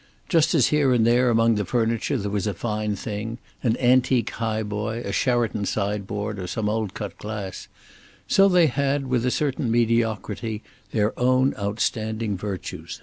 Just as here and there among the furniture there was a fine thing, an antique highboy, a Sheraton sideboard or some old cut glass, so they had, with a certain mediocrity their own outstanding virtues.